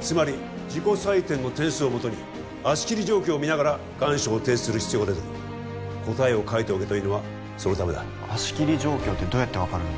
つまり自己採点の点数をもとに足切り状況を見ながら願書を提出する必要が出てくる答えを書いておけというのはそのためだ足切り状況ってどうやって分かるんだよ